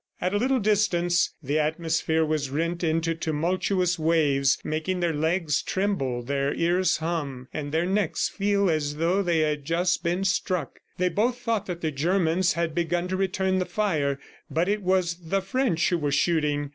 At a little distance, the atmosphere was rent into tumultuous waves, making their legs tremble, their ears hum, and their necks feel as though they had just been struck. They both thought that the Germans had begun to return the fire, but it was the French who were shooting.